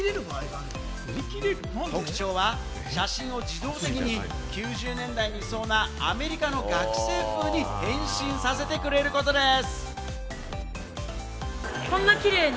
特徴は写真を自動的に９０年代にいそうなアメリカの学生風に変身させてくれることです。